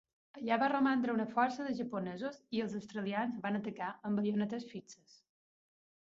Allà va romandre una força de japonesos, i els australians van atacar amb baionetes fixes.